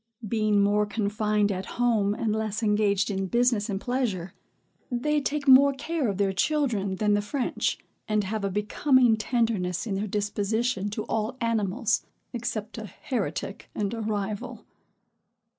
Being more confined at home, and less engaged in business and pleasure, they take more care of their children than the French, and have a becoming tenderness in their disposition to all animals, except a heretic and a rival.